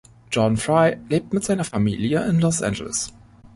Jordan Fry lebt mit seiner Familie in Los Angeles.